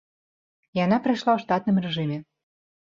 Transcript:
Яна прайшла ў штатным рэжыме.